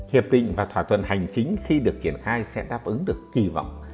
hiệp định và thỏa thuận hành chính khi được triển khai sẽ đáp ứng được kỳ vọng